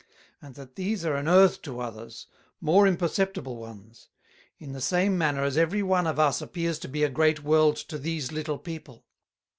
And that these are an Earth to others, more imperceptible ones; in the same manner as every one of us appears to be a great World to these little People.